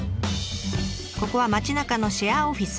ここは町なかのシェアオフィス。